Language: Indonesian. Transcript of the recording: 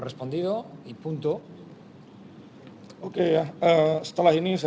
jadi ketika kita berjalan di salam